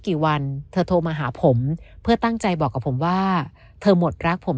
กี่วันเธอโทรมาหาผมเพื่อตั้งใจบอกกับผมว่าเธอหมดรักผม